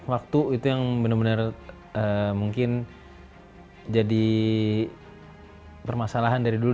waktu itu yang bener bener mungkin jadi permasalahan dari dulu